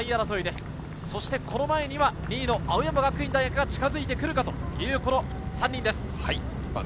そしてこの前には２位の青山学院大学が近づいてくるかという３人です。